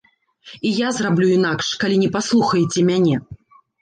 І я зраблю інакш, калі не паслухаеце мяне!